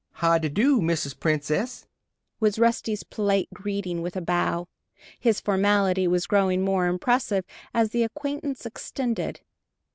"How de do, Mrs. Princess?" was Rusty's polite greeting, with a bow. His formality was growing more impressive, as the acquaintance extended.